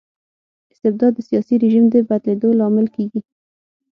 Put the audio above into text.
استبداد د سياسي رژيم د بدلیدو لامل کيږي.